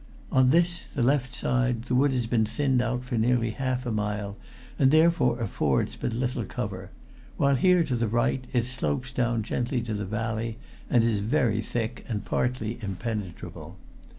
On this, the left side, the wood has been thinned out for nearly half a mile, and therefore affords but little cover, while here, to the right, it slopes down gently to the valley and is very thick and partly impenetrable.